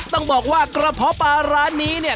ต้องบอกว่ากระเพาะปลาร้านนี้เนี่ย